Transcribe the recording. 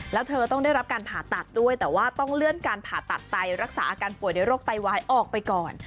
แล้วเธอต้องได้รับการผ่าตัดด้วยแต่ว่าต้องเลื่อนการผ่าตัดไตรักษาอาการป่วยในโรคไตวายออกไปก่อน